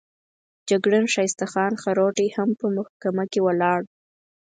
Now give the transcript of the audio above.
جګړن ښایسته خان خروټی هم په محکمه کې ولاړ وو.